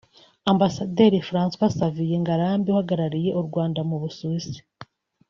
Ambasaderi François Xavier Ngarambe uhagarariye u Rwanda mu Busuwisi